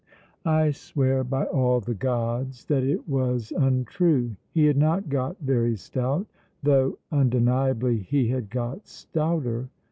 I swear by all the gods that it was untrue. He had not got very stout, though undeniably he had got stouter.